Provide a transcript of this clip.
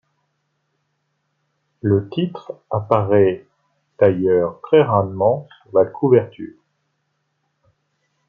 Le titre ' apparaît d'ailleurs très rarement sur la couverture.